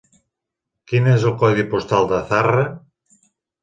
Quin és el codi postal de Zarra?